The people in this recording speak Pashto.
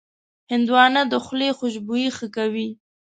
هندوانه د خولې خوشبويي ښه کوي.